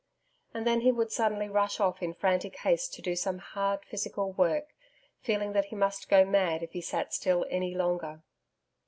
And then he would suddenly rush off in frantic haste to do some hard, physical work, feeling that he must go mad if he sat still any longer.